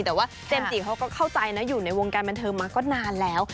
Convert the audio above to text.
แต่ว่าเจมส์จีเขาก็เข้าใจนะอยู่ในวงการบันเทิงมาก็นานแล้ว